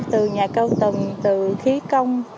từ nhà cao tầng từ thí công